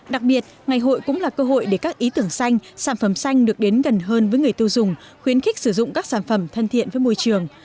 đặc biệt ngày hội cũng là cơ hội để các ý tưởng xanh sản phẩm xanh được đến gần hơn với người tiêu dùng khuyến khích sử dụng các sản phẩm thân thiện với môi trường